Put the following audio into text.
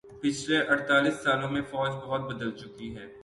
پچھلے اڑتالیس سالوں میں فوج بہت بدل چکی ہے